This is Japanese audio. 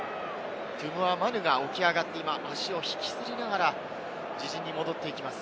トゥムア・マヌが起き上がって足を引きずりながら自陣に戻っていきます。